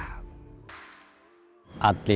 atlet yang ada ini itu khasnya dari pharmeculture